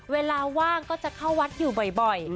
เวลาว่างก็จะเข้าวัดอยู่บ่อย